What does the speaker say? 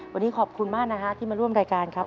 วันนี้ขอบคุณมากนะฮะที่มาร่วมรายการครับ